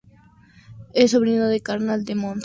Es sobrino carnal de Mons.